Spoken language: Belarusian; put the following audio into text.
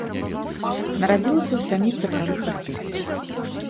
Нарадзілася ў сям'і цыркавых артыстаў.